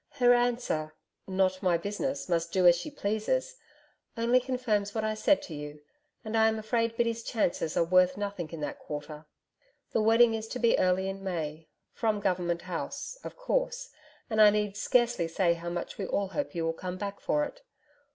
Her answer: "Not my business, must do as she pleases," only confirms what I said to you, and I am afraid Biddy's chances are worth nothing in that quarter. The wedding is to be early in May, from Government House, of course, and I need scarcely say how much we all hope you will come back for it.